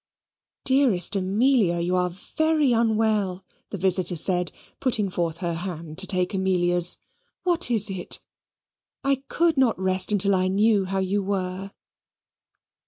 "Dearest Amelia, you are very unwell," the visitor said, putting forth her hand to take Amelia's. "What is it? I could not rest until I knew how you were."